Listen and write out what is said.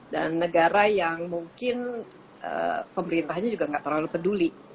dan negara yang mungkin pemerintahnya juga enggak terlalu peduli